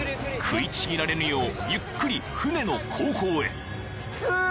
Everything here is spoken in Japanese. ［食いちぎられぬようゆっくり船の後方へ］